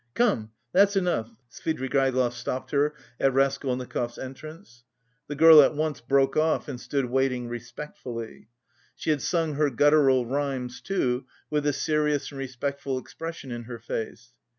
"Come, that's enough," Svidrigaïlov stopped her at Raskolnikov's entrance. The girl at once broke off and stood waiting respectfully. She had sung her guttural rhymes, too, with a serious and respectful expression in her face.